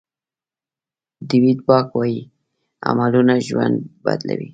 ډویډ باک وایي عملونه ژوند بدلوي.